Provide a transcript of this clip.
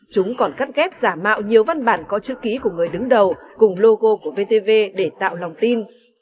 chúng còn cắt ghép giả mạo nhiều văn bản có chữ ký của người đứng đầu cùng logo của vtv để tạo lòng tin